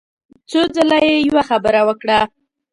څو ځله يې يوه خبره وکړه.